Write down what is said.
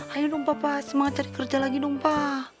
ayo dong bapak semangat cari kerja lagi dong pak